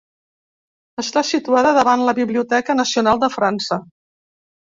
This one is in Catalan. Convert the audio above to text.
Està situada davant la Biblioteca nacional de França.